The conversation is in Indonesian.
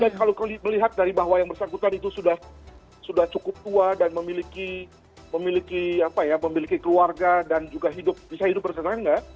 dan kalau melihat dari bahwa yang bersangkutan itu sudah cukup tua dan memiliki keluarga dan juga bisa hidup bersenang senang